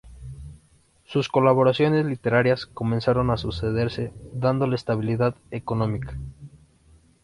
Sus colaboraciones literarias comenzaron a sucederse, dándole estabilidad económica.